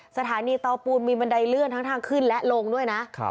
สถานีเตาปูนมีบันไดเลื่อนทั้งทางขึ้นและลงด้วยนะ